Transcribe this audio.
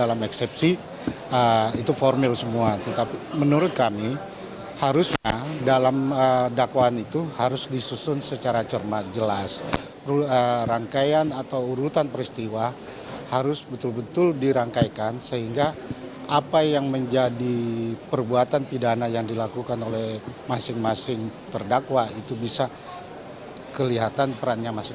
empat menyatakan terdakwa ferdisambu tetap berada dalam tahanan